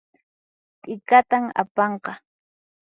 T'ikatan apanqa